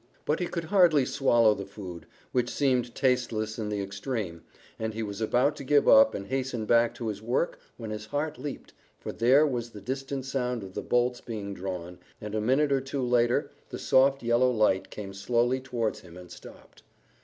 But he could hardly swallow the food, which seemed tasteless in the extreme, and he was about to give up and hasten back to his work when his heart leaped, for there was the distant sound of the bolts being drawn, and a minute or two later the soft yellow light came slowly towards him and stopped.